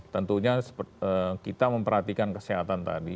tentunya kita memperhatikan kesehatan tadi